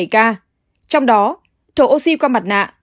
trong đó thổ oxy qua mặt nạ bốn một trăm hai mươi tám